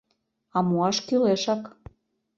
А муаш кӱлешак».